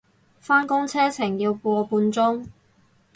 返工車程要個半鐘